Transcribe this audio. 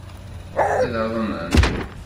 Ad aḍnen.